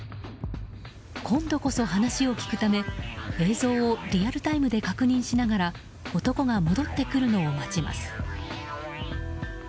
今度こそ話を聞くため、映像をリアルタイムで確認しながら男が戻ってくるのを待ちます。